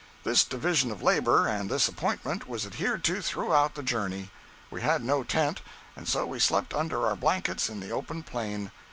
This division of labor, and this appointment, was adhered to throughout the journey. We had no tent, and so we slept under our blankets in the open plain.